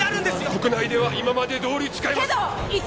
国内では今までどおり使えます・けど！